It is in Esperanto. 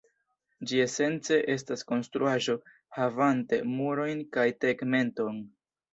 Ĝi esence estas konstruaĵo, havante murojn kaj tegmenton.